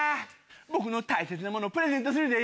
僕の大切なものプレゼントするで！